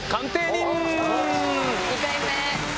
２回目！